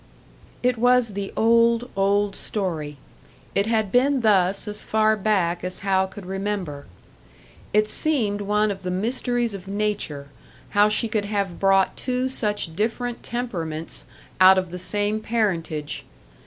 It was the old, old story; it had been thus as far back as Hal could remember. It seemed one of the mysteries of nature, how she could have brought two such different temperaments out of the same parentage.